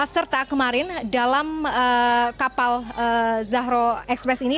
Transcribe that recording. serta kemarin dalam kapal zahro express ini